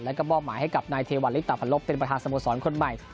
แล้วก็มอบหมายให้กับนายเทวัลลิตาพันลบเป็นประธานสโมสรคนใหม่